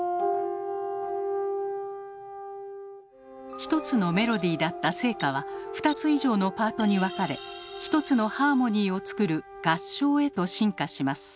１つのメロディーだった聖歌は２つ以上のパートに分かれ１つのハーモニーを作る合唱へと進化します。